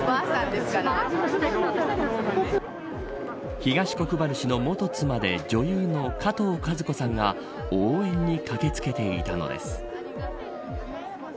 東国原氏の元妻で女優のかとうかず子さんが応援に駆け付けていたのです。